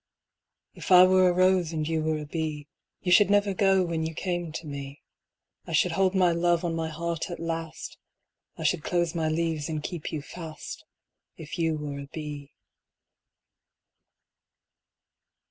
"If I were a rose and you were a bee, You should never go when you came to me, I should hold my love on my heart at last, I should close my leaves and keep you fast, If you were a bee."